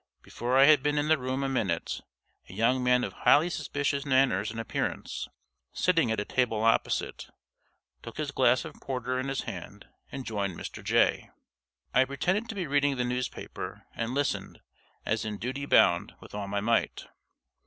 Before I had been in the room a minute, a young man of highly suspicious manners and appearance, sitting at a table opposite, took his glass of porter in his hand and joined Mr. Jay. I pretended to be reading the newspaper, and listened, as in duty bound, with all my might.